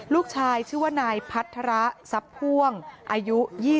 ลูกชายชื่อนายพัฒระซับพ่วงอายุ๒๓